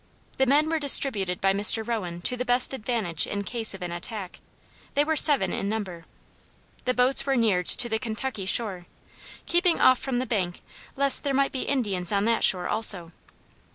The men were distributed by Mr. Rowan to the best advantage in case of an attack; they were seven in number. The boats were neared to the Kentucky shore, keeping off from the bank lest there might be Indians on that shore also.